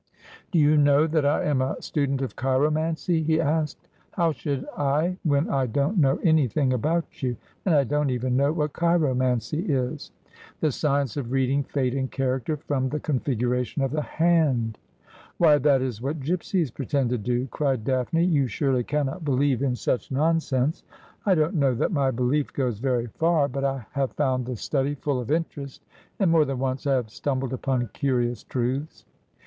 ' Do you know that I am a student of chiromancy ?' he asked. 'How should I, when I don't know anything about you? And I don't even know what chiromancy is.' ' The science of reading fate and character from the con figuration of the hand.' Why, that is what gipsies pretend to do,' cried Daphne. ' You surely cannot believo in such nonsense.' ' I don't know tliat my belief goes very far ; but I have 32 Asphodel. found the study full of interest, and more than once I have stumbled upon curious truths.'